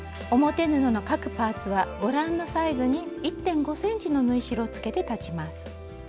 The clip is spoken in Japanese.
表布の各パーツはご覧のサイズに１．５ｃｍの縫い代をつけて裁ちます。